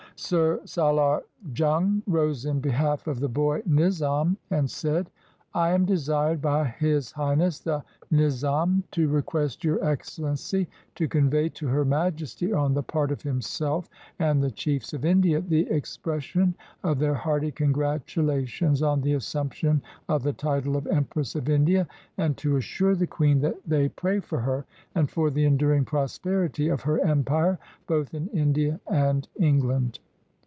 Sir Salar Jung rose in behalf of the boy Nizam and said: "I am desired by His Highness the Nizam to re 189 INDIA quest Your Excellency to convey to Her Majesty, on the part of himself and the chiefs of India, the expres sion of their hearty congratulations on the assumption of the title of Empress of India, and to assure the Queen that they pray for her, and for the enduring prosperity of her Empire, both in India and England."